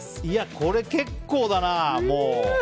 これ、もう結構だな。